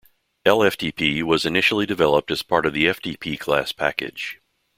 Lftp was initially developed as part of the ftpclass package.